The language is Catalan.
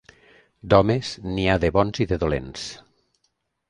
D'homes, n'hi ha de bons i de dolents.